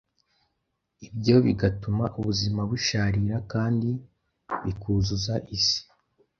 ibyo bigatuma ubuzima busharira kandi bikuzuza isi